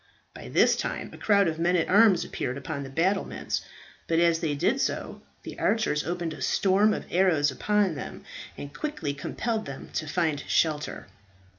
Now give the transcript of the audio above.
By this time a crowd of men at arms appeared upon the battlements. But as they did so the archers opened a storm of arrows upon them, and quickly compelled them to find shelter.